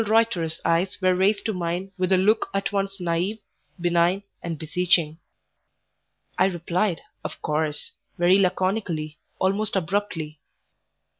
Reuter's eyes were raised to mine with a look at once naive, benign, and beseeching. I replied, "Of course," very laconically, almost abruptly.